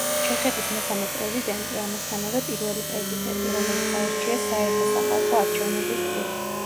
ჩეხეთის მესამე პრეზიდენტი, ამასთანავე პირველი პრეზიდენტი, რომელიც აირჩიეს საერთო-სახალხო არჩევნების გზით.